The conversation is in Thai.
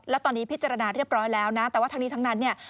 แล้วตอนนี้พิจารณาเรียบร้อยแล้วนะแต่ว่าทั้งนี้ทั้งนั้นเนี่ย